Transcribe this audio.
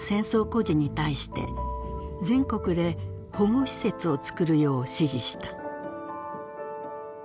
孤児に対して全国で保護施設をつくるよう指示した。